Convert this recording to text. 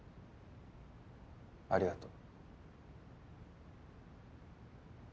ありがとう。